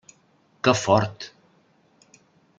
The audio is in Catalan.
Que fort!